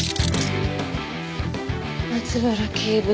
松原警部。